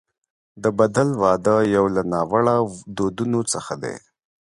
د بدل واده یو له ناوړه دودونو څخه دی.